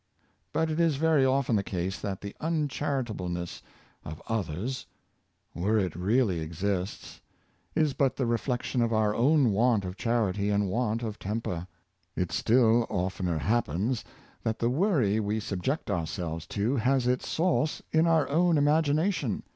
But it is very often the case that the unchari tableness of others, where it really exists, is but the re flection of our own want of charity and want of tem per. It still oftener happens, that the worry we sub ject ourselves to has its source in our own imagination.